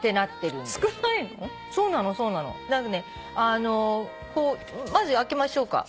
あのまず開けましょうか。